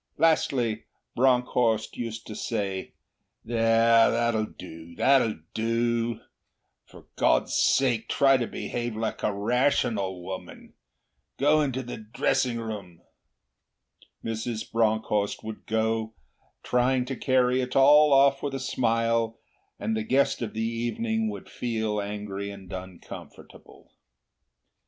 Lastly, Bronckhorst used to say, 'There! That'll do, that'll do. For God's sake try to behave like a rational woman. Go into the drawing room.' Mrs. Bronckhorst would go, trying to carry it all off with a smile; and the guest of the evening would feel angry and uncomfortable.